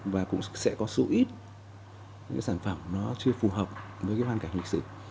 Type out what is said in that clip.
và cũng sẽ có số ít những sản phẩm nó chưa phù hợp với cái hoàn cảnh lịch sử